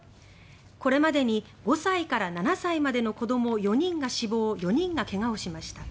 これまでに５歳から７歳までの子ども４人が死亡４人が怪我をしました。